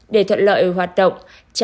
để thuận lợi hoạt động